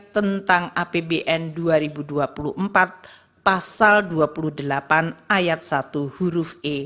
tentang apbn dua ribu dua puluh empat pasal dua puluh delapan ayat satu huruf e